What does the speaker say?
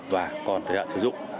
và còn thời hạn sử dụng